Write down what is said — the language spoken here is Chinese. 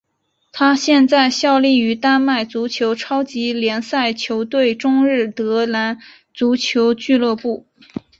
他现在效力于丹麦足球超级联赛球队中日德兰足球俱乐部。